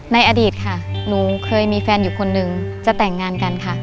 อดีตค่ะหนูเคยมีแฟนอยู่คนนึงจะแต่งงานกันค่ะ